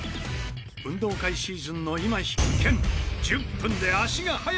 運動会シーズンの今必見！